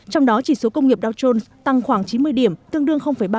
trong đó chỉ số công nghiệp dow jones tăng khoảng chín mươi điểm tương đương ba